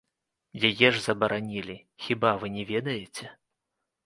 Яе ж забаранілі, хіба вы не ведаеце?!